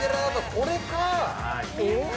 これか！